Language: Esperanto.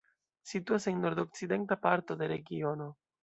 Situas en nordokcidenta parto de regiono.